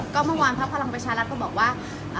ก็เมื่อวานพักพลังประชารัฐก็บอกว่า